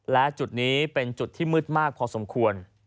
และจุดนี้เป็นจุดที่มืดมากพอสมควร